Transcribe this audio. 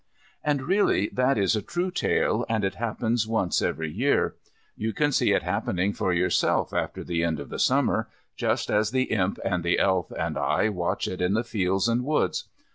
And really that is a true tale, and it happens once every year. You can see it happening for yourself after the end of the Summer, just as the Imp and the Elf and I watch it in the fields and woods.